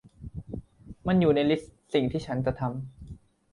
มันอยู่ในลิสต์สิ่งที่ฉันจะทำ